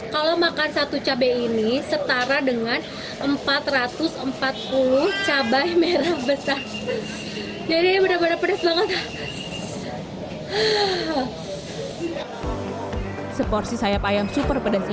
kalau makan satu cabai ini setara dengan empat ratus empat puluh cabai merah besar